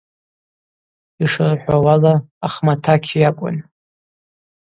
Йшырхӏвауала, Ахматакь йакӏвын.